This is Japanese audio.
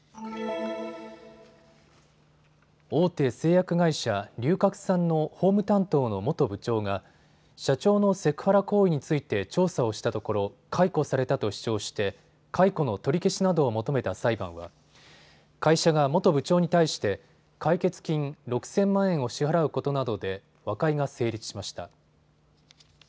大手製薬会社、は龍角散の法務担当の元部長が社長のセクハラ行為について調査をしたところ解雇されたと主張して解雇の取り消しなどを求めた裁判は会社が元部長に対して解決金６０００万円を支払うことなどで和解が成立しました。